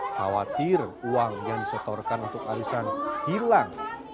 khawatir uang yang disetorkan untuk arisan hilang